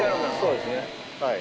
そうですねはい。